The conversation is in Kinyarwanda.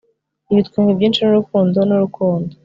ibitwenge byinshi nurukundo nurukundo